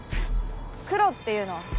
クロっていうの？